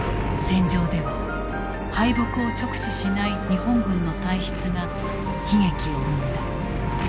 戦場では敗北を直視しない日本軍の体質が悲劇を生んだ。